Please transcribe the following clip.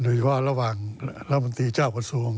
หรือว่าระหว่างรมนตรีเจ้าขวดสวง